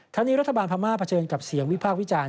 ทั้งนี้รัฐบาลพม่าเผชิญกับเสียงวิพากษ์วิจารณ์